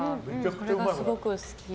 それがすごく好き。